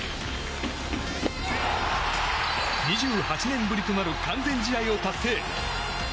２８年ぶりとなる完全試合を達成。